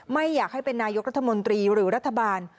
ไม่อยากให้เป็นนายกรัฐมนตรีหรือรัฐบาล